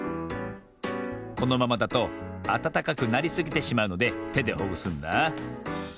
このままだとあたたかくなりすぎてしまうのでてでほぐすんだ。